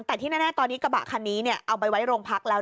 แต่ที่แน่ตอนนี้กระบะคันนี้เอาไปไว้โรงพักแล้ว